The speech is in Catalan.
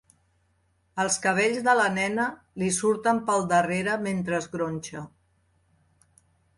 Els cabells de la nena li surten pel darrere mentre es gronxa.